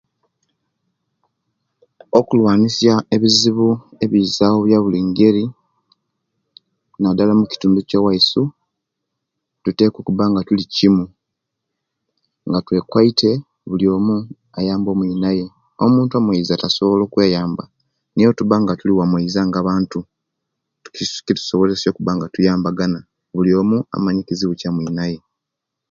Okulwanisya ebizibu ebiza ebiyabili ngeri nadala mukitundu kyewaisu kiteka okuba nga tuli kimu nga twekwaite buliyomu ayamba omwinaye omuntu omweza tasobola okweyamba naye owetuba nga tuli wamweza nga abantu kis kitusobolesya okubanga tuyambagana buliyomu amanye ekizibu ekyamwinaye